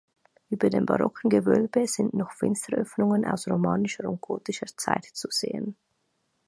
Über dem barocken Gewölbe sind noch Fensteröffnungen aus romanischer und gotischer Zeit zu sehen.